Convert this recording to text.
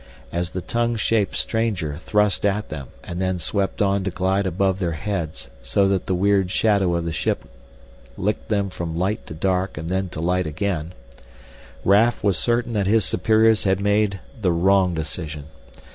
As the tongue shaped stranger thrust at them and then swept on to glide above their heads so that the weird shadow of the ship licked them from light to dark and then to light again, Raf was certain that his superiors had made the wrong decision.